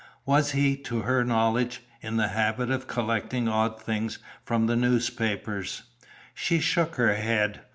"Was he, to her knowledge, in the habit of collecting odd things from the newspapers?" She shook her head.